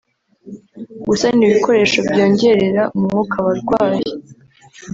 gusana ibikoresho byongerera umwuka abarwayi